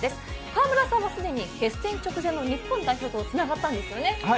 川村さんも既に決戦直前の日本代表とつながったんですよね。